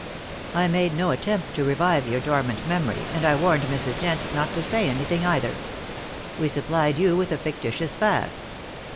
I made no attempt to revive your dormant memory, and I warned Mrs. Jent not to say anything either. We supplied you with a fictitious past."